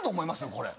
これ。